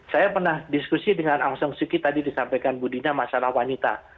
saya pernah diskusi dengan angsung suki tadi disampaikan budinya masalah wanita